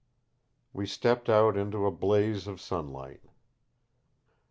We stepped out into a blaze of sunlight.